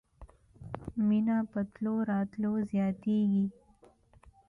مينه په تلو راتلو زياتېږي.